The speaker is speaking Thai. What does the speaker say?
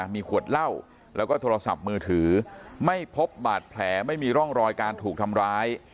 มีขวดเหล้าแล้วก็โทรศัพท์มือถือไม่พบบาดแผลไม่มีร่องรอยการถูกทำร้าย